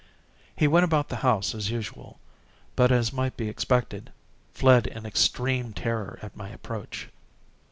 He went about the house as usual, but, as might be expected, fled in extreme terror at my approach.